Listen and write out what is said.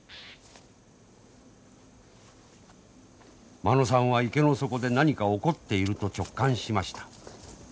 間野さんは池の底で何か起こっていると直感しました。